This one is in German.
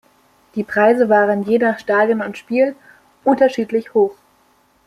Die Preise waren je nach Stadion und Spiel unterschiedlich hoch.